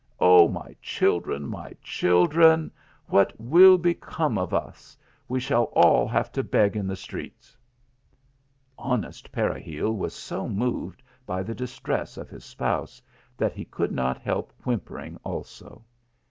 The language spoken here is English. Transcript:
Oh, my children ! my children ! what will become of us ; we shall all have to beg in the streets !" Honest Peregil was so moved by the distress of his spouse, that he could not help whimpering also.